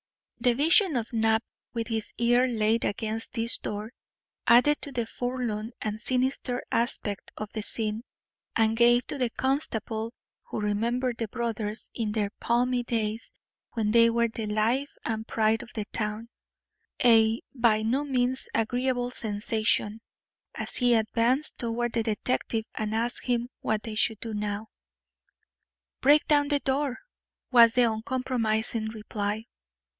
The vision of Knapp with his ear laid against this door added to the forlorn and sinister aspect of the scene, and gave to the constable, who remembered the brothers in their palmy days when they were the life and pride of the town, a by no means agreeable sensation, as he advanced toward the detective and asked him what they should do now. "Break down the door!" was the uncompromising reply.